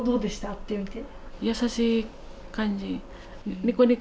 会ってみて。